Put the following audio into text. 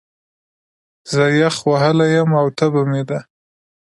زه يخ وهلی يم، او تبه مې ده